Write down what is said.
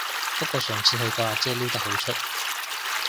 不過上次去個阿姐撩得好出